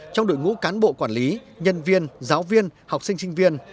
trong đội ngũ cán bộ quản lý nhân viên giáo viên học sinh sinh viên